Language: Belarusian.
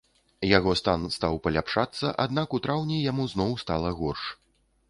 Яго стан стаў паляпшацца, аднак у траўні яму зноў стала горш.